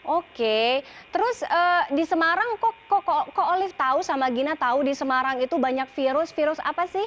oke terus di semarang kok olive tahu sama gina tahu di semarang itu banyak virus virus apa sih